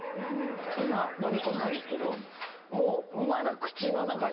今のみ込んだんですけどまだ。